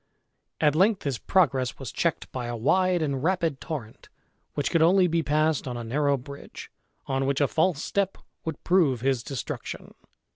At length his progress was checked by a wide and rapid torrent, which could only be passed on a narrow bridge, on which a false step would prove his destruction.